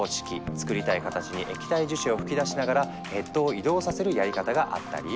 作りたい形に液体樹脂を噴き出しながらヘッドを移動させるやり方があったり。